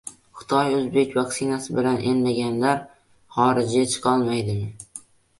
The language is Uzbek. Xitoy-o‘zbek vaksinasi bilan emlanganlar xorijga chiqolmaydimi?